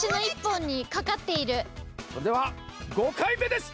それでは５かいめです。